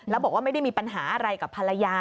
แล้วบอกว่าไม่ได้มีปัญหาอะไรกับภรรยา